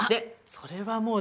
それはもうぜひ。